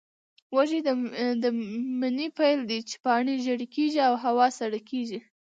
وږی د مني پیل دی، چې پاڼې ژېړې کېږي او هوا سړه کېږي.